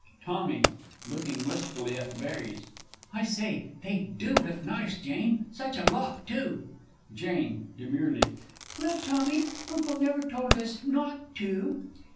_ Tommy (looking wistfully at the berries). I say, they do look nice, Jane, such a lot too! Jane (demurely). Well, Tommy, Uncle never told us not to.